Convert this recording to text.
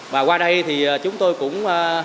bà qua đây thì chúng tôi cũng